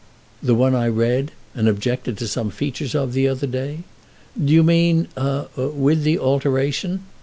"The one I read (and objected to some features of) the other day? Do you mean—a—with the alteration?"